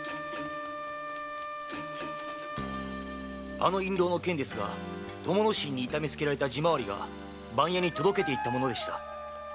あの印籠の件ですが友之進に痛めつけられた地廻りが番屋に届けていった物でした。